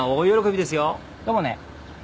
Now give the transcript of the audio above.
どうもね。